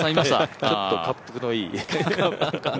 ちょっとかっぷくのいい。